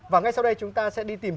và ngay sau đây chúng ta sẽ đi tìm